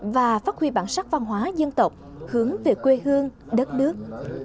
và phát huy bản sắc văn hóa dân tộc hướng về quê hương đất nước